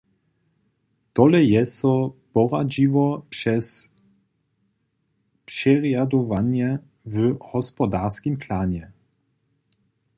Tole je so poradźiło přez přerjadowanje w hospodarskim planje.